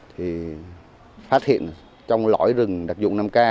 thì phát hiện trong lõi rừng đặc dụng nam ca